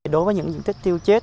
đối với những diện tích tiêu chết